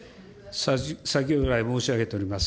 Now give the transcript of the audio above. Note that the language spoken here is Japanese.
先ほど来申し上げております